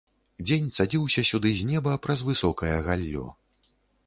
Дзень цадзіўся сюды з неба праз высокае галлё.